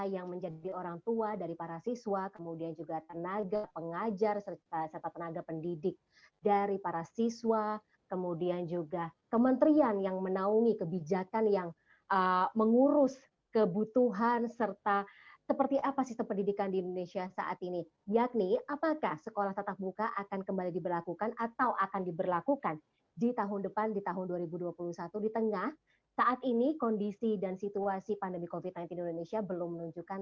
yang menjadi orang tua dari para siswa kemudian juga tenaga pengajar serta tenaga pendidik dari para siswa kemudian juga kementerian yang menaungi kebijakan yang mengurus kebutuhan serta seperti apa sistem pendidikan di indonesia saat ini yakni apakah sekolah tetap buka akan kembali diberlakukan atau akan diberlakukan di tahun depan di tahun dua ribu dua puluh satu di tengah saat ini kondisi dan situasi pandemi covid sembilan belas di indonesia belum menunjukkan